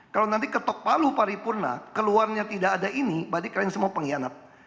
kalau nanti ketok palu paripurna keluarnya tidak ada ini berarti kalian semua pengkhianat